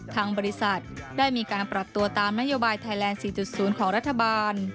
ทางบริษัทได้มีการปรับตัวตามนโยบายไทยแลนด๔๐ของรัฐบาล